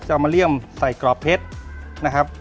เอามาเลี่ยมใส่กรอบเพชรนะครับ